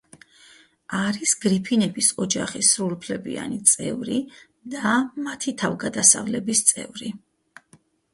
არის გრიფინების ოჯახის სრულუფლებიან წევრი და მათი თავგადასავლების წევრი.